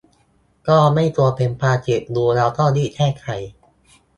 ก็ไม่ควรเป็นความผิด รู้แล้วก็รีบแก้ไข